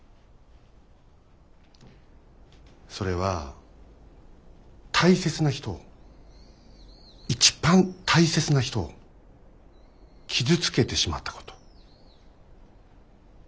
それは大切な人を一番大切な人を傷つけてしまったこと。